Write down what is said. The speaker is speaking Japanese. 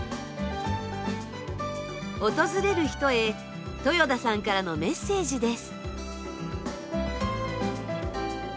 訪れる人へとよ田さんからのメッセージです。